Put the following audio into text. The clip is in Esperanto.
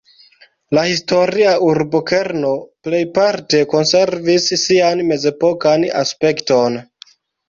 La historia urbokerno plejparte konservis sian mezepokan aspekton.